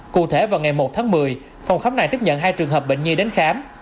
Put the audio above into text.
cụ thể vào ngày một tháng một mươi phòng khám này tiếp nhận hai trường hợp bệnh nhi đến khám